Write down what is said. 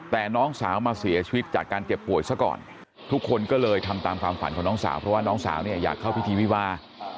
แต่น้องสาวมาเสียชีวิตจากการเจ็บป่วยซะก่อนทุกคนก็เลยทำตามความฝันของน้องสาวเพราะว่าน้องสาวเนี่ยอยากเข้าพิธีวิวา